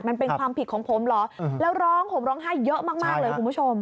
มันเป็นความผิดของผมเหรอแล้วร้องห่มร้องไห้เยอะมากเลยคุณผู้ชม